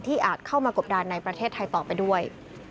อาจเข้ามากบดานในประเทศไทยต่อไปด้วย